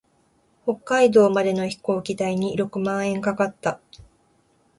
北海道までの飛行機代に六万円かかった。